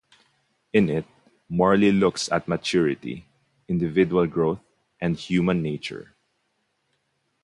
In it, Morley looks at maturity, individual growth, and human nature.